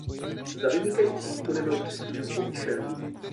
Za vynikající výkony při studiu byl povýšen.